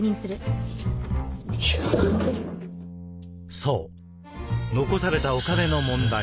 そう残されたお金の問題。